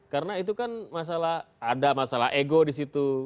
karena itu kan masalah ada masalah ego di situ